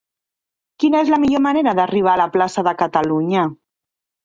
Quina és la millor manera d'arribar a la plaça de Catalunya?